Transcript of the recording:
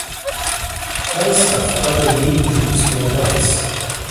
Franz Kafka byl její druhý snoubenec.